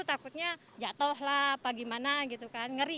takutnya jatuh lah apa gimana gitu kan ngeri